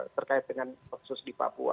terkait dengan kasus di papua